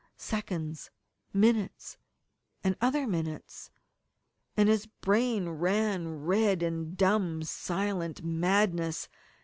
Seconds, minutes, and other minutes and his brain ran red in dumb, silent madness.